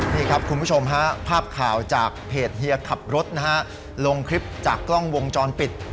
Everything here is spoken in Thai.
นี่ครับคุณผู้ชมฮะภาพข่าวจากเพจเฮียขับรถนะฮะลงคลิปจากกล้องวงจรปิด